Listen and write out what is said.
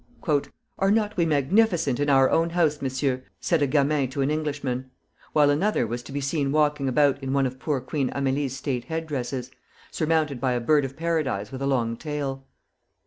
"Are not we magnificent in our own house, Monsieur?" said a gamin to an Englishman; while another was to be seen walking about in one of poor Queen Amélie's state head dresses, surmounted by a bird of paradise with a long tail.